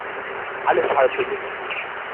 Alles halb so wild.